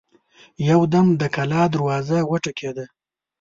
يودم د کلا دروازه وټکېده.